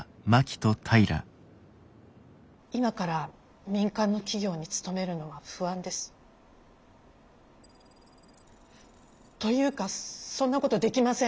今から民間の企業に勤めるのは不安です。というかそんなことできません。